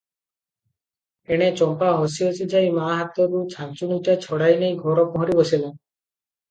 ଏଣେ ଚମ୍ପା ହସି ହସି ଯାଇ ମା ହାତରୁ ଛାଞ୍ଚୁଣିଟା ଛଡ଼ାଇ ନେଇ ଘର ପହଁରି ବସିଲା ।